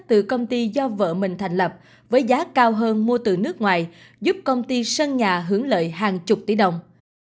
từ công ty do vợ mình thành lập với giá cao hơn mua từ nước ngoài giúp công ty sân nhà hưởng lợi hàng chục tỷ đồng